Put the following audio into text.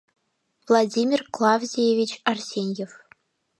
Владимир Клавдиевич Арсеньев